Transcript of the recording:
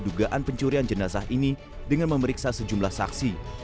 dan mencoba untuk mencoba pencuri jenazah ini dengan memeriksa sejumlah saksi